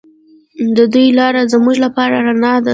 د دوی لاره زموږ لپاره رڼا ده.